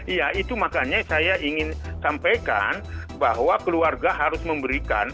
iya itu makanya saya ingin sampaikan bahwa keluarga harus memberikan